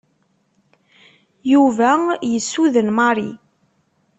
Yuba yessuden Mary.